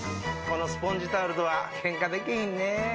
このスポンジタオルとはケンカできひんねぇ。